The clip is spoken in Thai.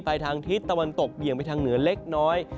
ไปทางทิศตะวันตกเบี่ยงไปทางเหนือเล็กน้อย